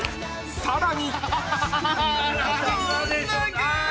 ［さらに！］